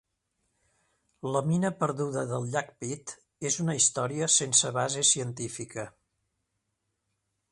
La mina perduda del llac Pitt és una història sense base científica.